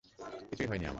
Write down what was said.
কিছুই হয়নি আমার।